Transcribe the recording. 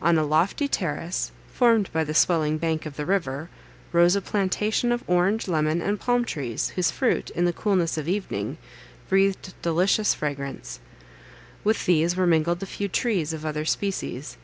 On a lofty terrace, formed by the swelling bank of the river, rose a plantation of orange, lemon, and palm trees, whose fruit, in the coolness of evening, breathed delicious fragrance. With these were mingled a few trees of other species.